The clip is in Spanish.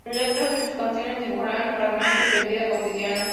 Las letras de sus canciones dibujan fragmentos de vida cotidiana.